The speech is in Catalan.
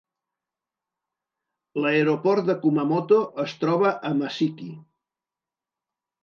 L'aeroport de Kumamoto es troba a Mashiki.